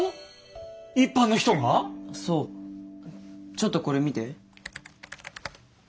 ちょっとこれ見て。